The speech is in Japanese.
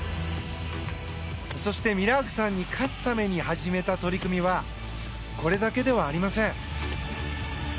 そして、ミラークさんに勝つために始めた取り組みはこれだけではありません。